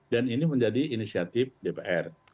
dan ini menjadi inisiatif dpr